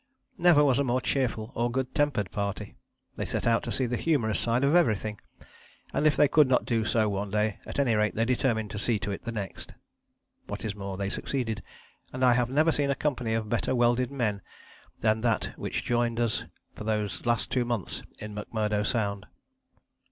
Never was a more cheerful or good tempered party. They set out to see the humorous side of everything, and, if they could not do so one day, at any rate they determined to see to it the next. What is more they succeeded, and I have never seen a company of better welded men than that which joined us for those last two months in McMurdo Sound.